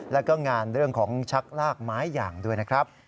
แล้วก็งานเรื่องของชักลากไม้อย่างด้วยนะครับ